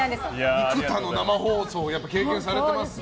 幾多の生放送を経験してますから。